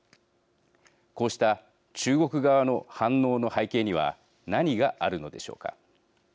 こうした中国側の反応の背景には何があるのでしょうか。